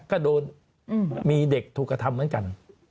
ก็โดนมีเด็กถูกกระทำเหมือนกัน